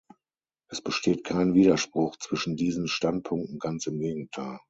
Es besteht kein Widerspruch zwischen diesen Standpunkten, ganz im Gegenteil.